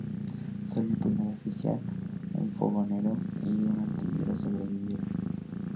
Solo el primer oficial, un fogonero y un artillero sobrevivieron.